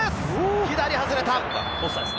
左に外れた。